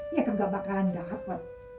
ya kegak bakalan dapet